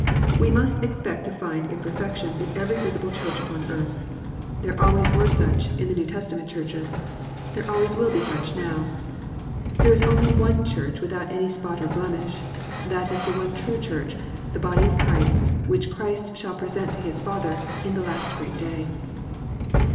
We must expect to find imper fections in every visible Church upon earth. There always 238 KNOTS UNTIED. were such in the New Testament Churches. There always will be such now. There is only one Church without spot or blemish. That is the one true Church, the body of Christ, which Christ shall present to His Father in the last great day.